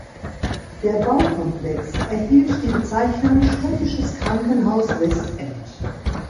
Der Baukomplex erhielt die Bezeichnung "Städtisches Krankenhaus Westend".